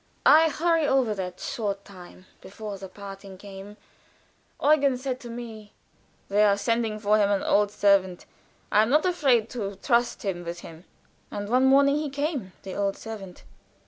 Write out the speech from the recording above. I hurry over that short time before the parting came. Eugen said to me: "They are sending for him an old servant. I am not afraid to trust him with him." And one morning he came the old servant.